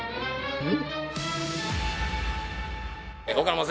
うん。